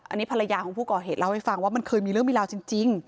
อันนี้ภรรยาของผู้ก่อเหตุเล่าให้ฟังว่ามันเคยมีเรื่องมีราวจริง